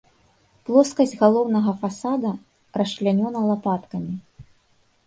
Плоскасць галоўнага фасада расчлянёна лапаткамі.